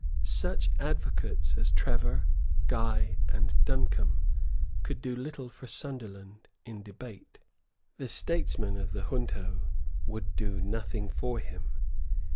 Such advocates as Trevor, Guy and Duncombe could do little for Sunderland in debate. The statesmen of the junto would do nothing for him.